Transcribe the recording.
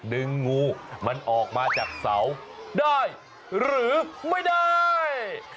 ดึงงูมันออกมาจากเสาได้หรือไม่ได้